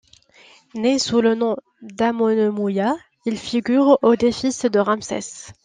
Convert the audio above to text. Né sous le nom d'Amonemouia, il figure au des fils de Ramsès.